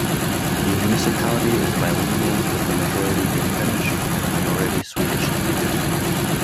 The municipality is bilingual with the majority being Finnish and the minority Swedish-speakers.